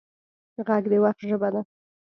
غږ د وخت ژبه ده